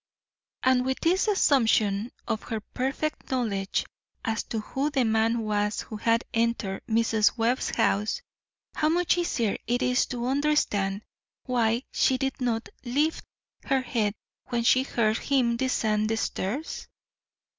And with this assumption of her perfect knowledge as to who the man was who had entered Mrs. Webb's house, how much easier it is to understand why she did not lift her head when she heard him descend the stairs!